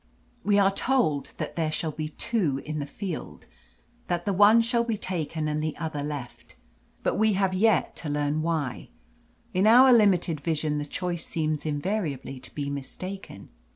We are told that there shall be two in the field, that the one shall be taken and the other left. But we have yet to learn why, in our limited vision, the choice seems invariably to be mistaken.